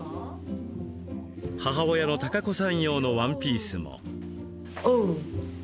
母親の孝子さん用のワンピースも。